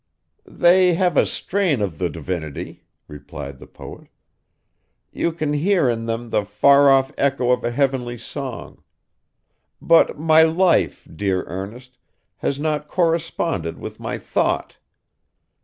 'They have a strain of the Divinity,' replied the poet. 'You can hear in them the far off echo of a heavenly song. But my life, dear Ernest, has not corresponded with my thought.